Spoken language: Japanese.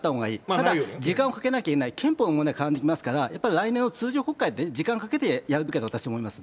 ただ、時間をかけなきゃいけない、憲法の問題絡みますから、来年の通常国会で時間をかけてやるべきだと私は思いますね。